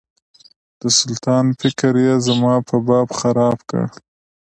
د سلطان فکر یې زما په باب خراب کړ.